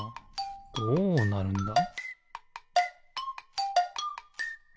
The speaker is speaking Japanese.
どうなるんだ？